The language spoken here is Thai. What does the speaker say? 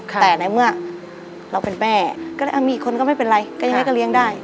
แต่ในเมื่อเราเป็นแม่ก็เลยมีอีกคนก็ไม่เป็นไรก็ยังไงก็เลี้ยงได้